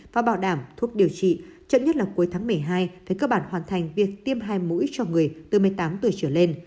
và bảo đảm thuốc điều trị chậm nhất là cuối tháng một mươi hai phải cơ bản hoàn thành việc tiêm hai mũi cho người từ một mươi tám tuổi trở lên